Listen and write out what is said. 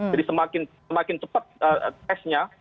jadi semakin cepat testnya